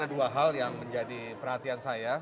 ada dua hal yang menjadi perhatian saya